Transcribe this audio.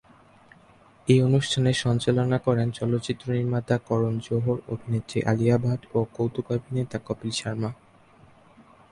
এই অনুষ্ঠানের সঞ্চালনা করেন চলচ্চিত্র নির্মাতা করণ জোহর, অভিনেত্রী আলিয়া ভাট ও কৌতুকাভিনেতা কপিল শর্মা।